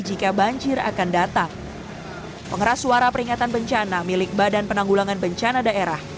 jika banjir akan datang pengeras suara peringatan bencana milik badan penanggulangan bencana daerah